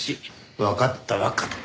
わかったわかった。